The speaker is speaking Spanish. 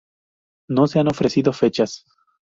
No se han ofrecido fechas.